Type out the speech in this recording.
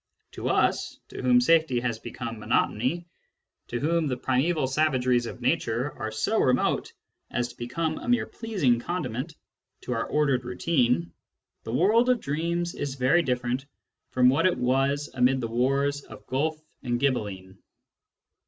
To us, to whom safety has become monotony, to whom the primeval savageries of nature are so remote as to become a mere pleasing condiment to our ordered routine, the world of dreams is very different from what it was amid the wars of Guelf and Ghibelline.